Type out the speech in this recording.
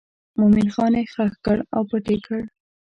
مومن خان یې ښخ کړ او پټ یې کړ.